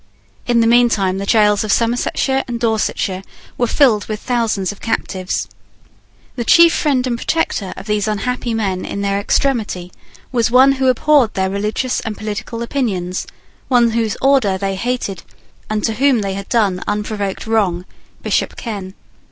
In the meantime the gaols of Somersetshire and Dorsetshire were filled with thousands of captives. The chief friend and protector of these unhappy men in their extremity was one who abhorred their religious and political opinions, one whose order they hated, and to whom they had done unprovoked wrong, Bishop Ken.